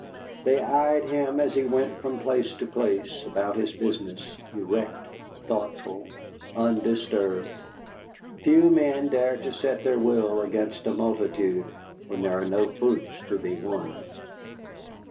They eyed him as he went from place to place about his business, erect, thoughtful, undisturbed. Few men dare to set their will against a multitude when there are no fruits to be won.